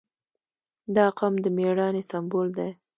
• دا قوم د مېړانې سمبول دی.